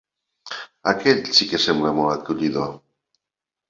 Aquell, sí que sembla molt acollidor.